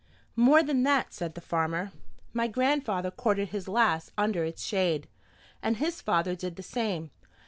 "More than that," said the farmer. "My grandfather courted his lass under its shade, and his father did the same.